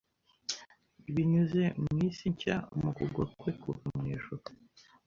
binyuze mu isi nshya mu kugwa kwe kuva mu Ijuru